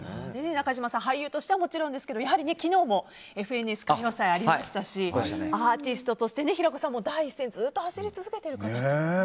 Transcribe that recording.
中島さん、俳優としてはもちろんですが昨日も「ＦＮＳ歌謡祭」ありましたしアーティストとして平子さん、第一線をずっと走り続けてる方ですよね。